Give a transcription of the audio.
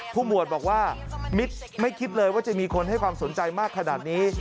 หมวดบอกว่ามิตรไม่คิดเลยว่าจะมีคนให้ความสนใจมากขนาดนี้